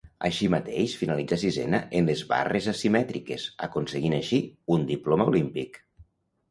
Així mateix finalitzà sisena en les barres asimètriques, aconseguint així un diploma olímpic.